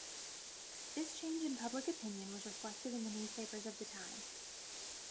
This change in public opinion was reflected in the newspapers of the time.